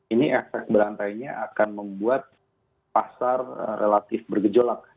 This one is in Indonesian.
ini efek berantainya akan membuat pasar relatif bergejolak